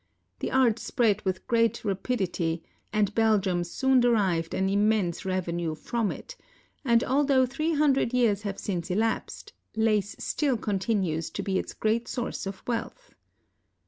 The art spread with great rapidity, and Belgium soon derived an immense revenue from it ; and although three hundred years have since elapsed, lace still continues to be its great source of wealth.